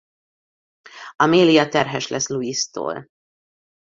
Amelia terhes lesz Luistól.